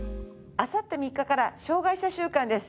あさって３日から障害者週間です。